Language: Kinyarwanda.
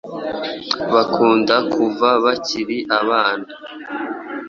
bakunda kuva bakiri abana